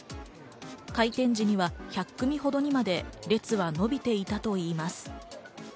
開店時には１００組ほどにまで列は伸びていたといいます。